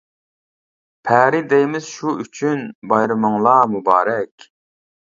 پەرى دەيمىز شۇ ئۈچۈن، بايرىمىڭلار مۇبارەك.